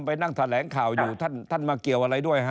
ไปนั่งแถลงข่าวอยู่ท่านมาเกี่ยวอะไรด้วยฮะ